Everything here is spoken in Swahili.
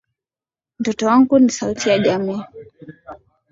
Mtoto wangu ni sauti ya jamii.